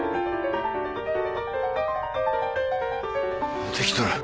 もうできとる。